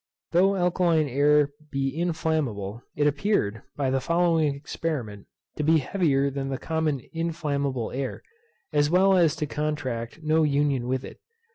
Though alkaline air be inflammable, it appeared, by the following experiment, to be heavier than the common inflammable air, as well as to contract no union with it.